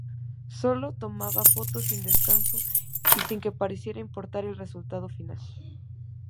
Solo tomaba fotos sin descanso y sin que pareciera importar el resultado final.